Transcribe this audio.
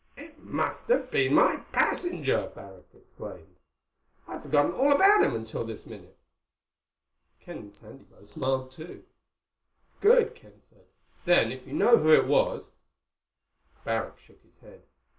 "It must have been my passenger," Barrack explained. "I'd forgotten all about him until this minute." Ken and Sandy both smiled too. "Good," Ken said. "Then if you know who it was—" Barrack shook his head.